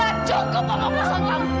ya cukup mama pusing kamu